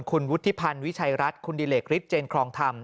คุณวุฒิพันธ์วิชัยรัฐคุณดิเหลกฤทธเจนครองธรรม